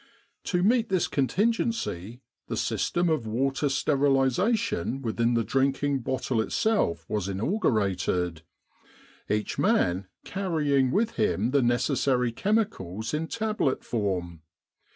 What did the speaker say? To meet this contingency the system of water sterilisation within the drinking bottle itself was inaugurated, each man carrying with him the necessary chemicals in tablet form.